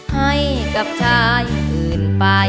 ให้กับชายอื่นไป